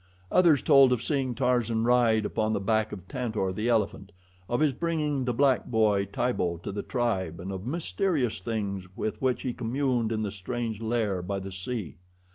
Others told of seeing Tarzan ride upon the back of Tantor, the elephant; of his bringing the black boy, Tibo, to the tribe, and of mysterious things with which he communed in the strange lair by the sea.